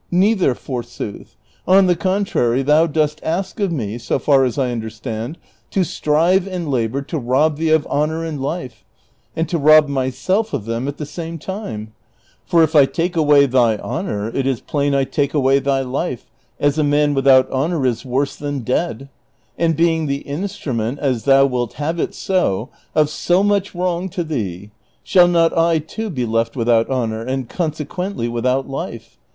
Neither forsooth ; on the contrary, thou dost ask of me, so far as I understand, to strive and labor to rob thee of honor and life, and to rob myself of them at the same time ; for if T take away thy honor it is plain I take away thy life, as a man without honor is worse than dead; and being the instrument, as thou wilt have it so, of so much wrong to thee, shall not I, too, be left vs^ithout honor, and consequently without life?